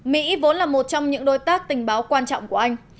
mỹ vốn là một trong những đối tác tình báo quan trọng của anh